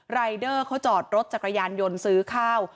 รายเดอร์เขาจอดรถจักรยานยนต์ซื้อข้าว